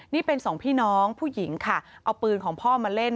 นี่เป็นสองพี่น้องผู้หญิงค่ะเอาปืนของพ่อมาเล่น